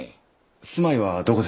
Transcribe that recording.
住まいはどこです？